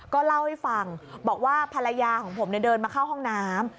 ก็เล่าให้ฟังบอกว่าภรรยาของผมเดินมาเข้าห้องน้ำ